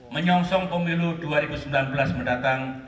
menyongsong pemilu dua ribu sembilan belas mendatang